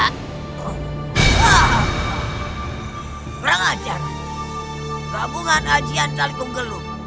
tidak mempat menghancurkan pelindung ga itu